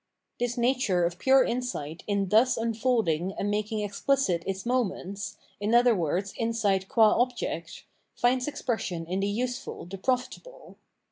This nature of pure insight in thus unfolding and rci a king explicit its moments, in other words insight qua object, finds expression in the useful, the profitable.